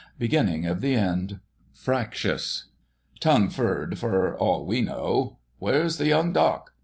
Beginning of the end. Fractious. Tongue furred, for all we know.... Where's the Young Doc.?